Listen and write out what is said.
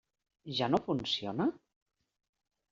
Ja no funciona?